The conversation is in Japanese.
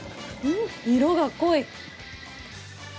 色が濃い。